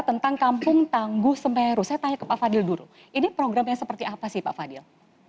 tentang kampung tangguh semeheru saya tanya ke pak fadil dulu ini programnya seperti apa sih pak fadil